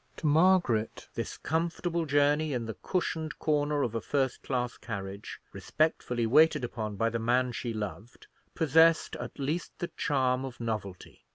To Margaret, this comfortable journey in the cushioned corner of a first class carriage, respectfully waited upon by the man she loved, possessed at least the charm of novelty.